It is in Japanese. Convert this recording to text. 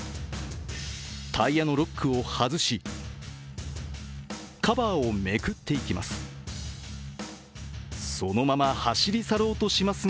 タイヤのロックを外しカバーをめくっていきます。